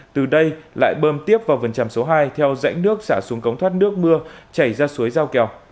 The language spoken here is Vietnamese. từ đây lại bơm tiếp vào vườn tràm số hai theo rãnh nước xả xuống cống thoát nước mưa chảy ra suối giao kèo